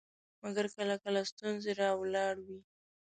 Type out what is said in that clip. مګر کله کله ستونزې راولاړوي.